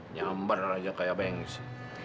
nyamber aja kayak apa yang ngisi